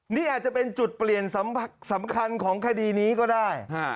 นี่อาจจะเป็นจุดเปลี่ยนสำคัญของคดีนี้ก็ได้